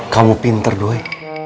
kamu pinter doi